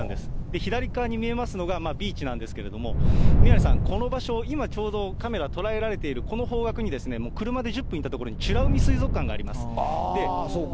左側に見えますのが、ビーチなんですけれども、宮根さん、この場所、今、ちょうどカメラ捉えられている、この方角に車で１０分行った所に美ら海水族館があります。